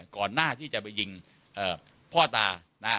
ก่อนหน้าที่จะไปยิงพ่อตานะฮะ